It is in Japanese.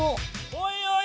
おいおい